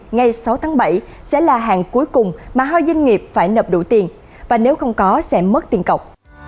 ngày sáu tháng bảy sẽ là hàng cuối cùng mà hai doanh nghiệp phải nộp đủ tiền và nếu không có sẽ mất tiền cọc